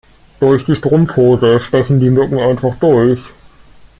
Durch die Strumpfhose stechen die Mücken einfach durch.